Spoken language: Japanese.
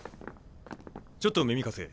ちょっと耳貸せ。